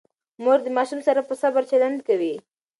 مور د ماشومانو سره په صبر چلند کوي.